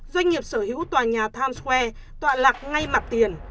doanh nghiệp sở hữu tòa nhà times square tọa lạc ngay mặt tiền